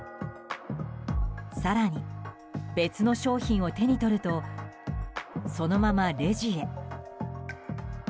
更に別の商品を手に取るとそのままレジへ。